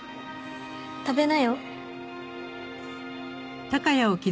食べなよ。